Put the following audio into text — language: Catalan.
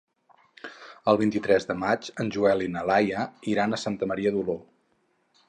El vint-i-tres de maig en Joel i na Laia iran a Santa Maria d'Oló.